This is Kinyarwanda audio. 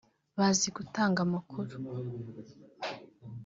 bazi gutanga amakuru